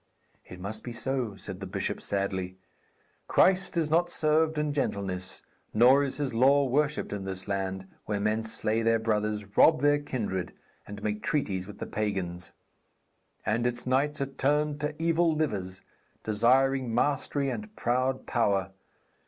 'It must be so,' said the bishop sadly. 'Christ is not served in gentleness, nor is His law worshipped in this land, where men slay their brothers, rob their kindred, and make treaties with the pagans. And its knights are turned to evil livers, desiring mastery and proud power.